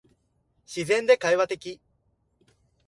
自然で会話的